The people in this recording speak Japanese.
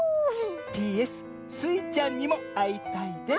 「ＰＳスイちゃんにもあいたいです」。